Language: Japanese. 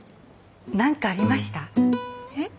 何かありました？え？